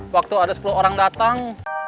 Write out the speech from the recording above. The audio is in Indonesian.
waktu ada sepuluh orang datang